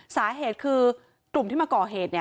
สาเหตุคือ